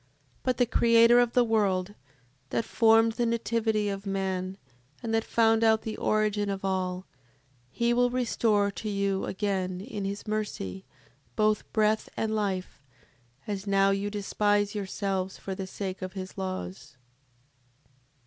7:23. But the Creator of the world, that formed the nativity of man, and that found out the origin of all, he will restore to you again, in his mercy, both breath and life, as now you despise yourselves for the sake of his laws.